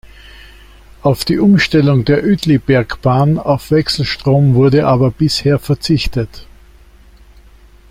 Auf die Umstellung der Uetlibergbahn auf Wechselstrom wurde aber bisher verzichtet.